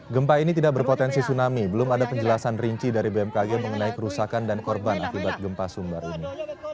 gempa ini tidak berpotensi tsunami belum ada penjelasan rinci dari bmkg mengenai kerusakan dan korban akibat gempa sumbar ini